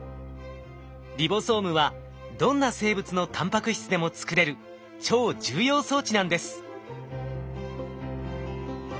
リボソームはどんな生物のタンパク質でも作れる超重要装置なんです。